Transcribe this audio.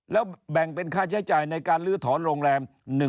แล้วแบ่งเป็นค่าใช้จ่ายในการลื้อถอนโรงแรม